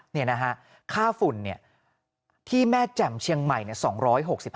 นี่นะฮะค่าฝุ่นเนี่ยที่แม่แจ่มเชียงใหม่เนี่ย